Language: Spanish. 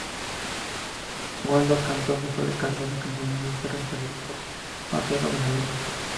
Waldo Kantor dejó el cargo de entrenador y fue reemplazado por Marcelo Benavídez.